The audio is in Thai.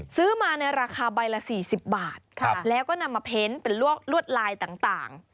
ซื้อมาในราคาใบละ๔๐บาทแล้วก็นำมาเพ้นเป็นลวดลายต่าง